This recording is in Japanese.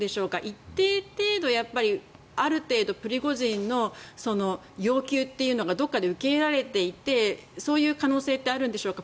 一定程度、ある程度プリゴジンの要求というのがどこかで受け入れられていてそういう可能性ってあるんでしょうか。